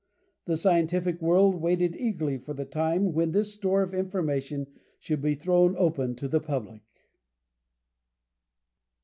The scientific world waited eagerly for the time when this store of information should be thrown open to the public.